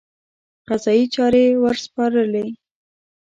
قضایي چارې ورسپارلې.